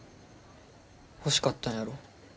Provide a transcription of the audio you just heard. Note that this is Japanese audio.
欲しかったんやろ。